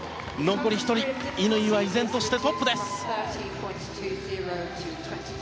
残り１人乾は依然としてトップです。